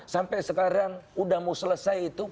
sampai sekarang udah mau selesai itu